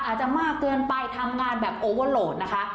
อาจจะมากเกินไปทำงานแบบโอเวอร์โหลดนะคะ